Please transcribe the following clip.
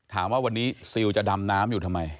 ถามว่าวันนี้ซิลจะดำน้ำอยู่ทำไม